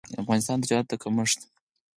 افغانستان د تجارت د کمښت